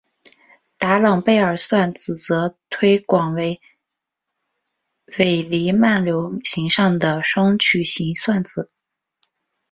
达朗贝尔算子则推广为伪黎曼流形上的双曲型算子。